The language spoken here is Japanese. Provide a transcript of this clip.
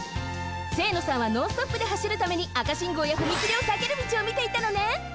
清野さんはノンストップではしるために赤信号や踏切をさける道をみていたのね。